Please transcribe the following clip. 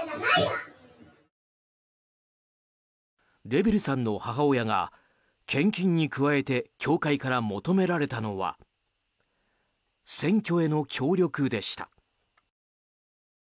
デビルさんの母親が献金に加えて教会から求められたのは選挙への協力でした。